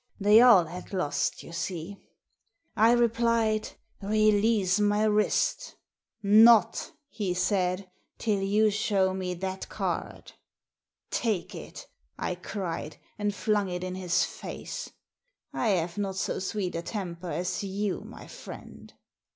They all had lost, you see. I replied, 'Release my wrist* ' Not,' he said, ' till you show me that card !'* Take it!' I cried, and flung it in his face. I have not so sweet a temper as you, my friend.